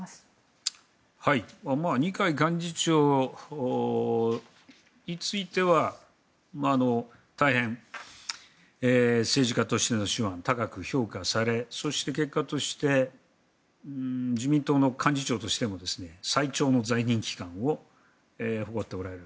二階幹事長については大変、政治家としての手腕を高く評価され、そして結果として自民党の幹事長としても最長の在任期間を誇っておられる。